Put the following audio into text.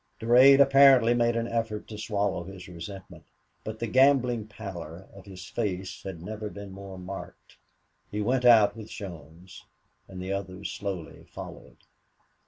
Durade apparently made an effort to swallow his resentment, but the gambling pallor of his face had never been more marked. He went out with Jones, and the others slowly followed.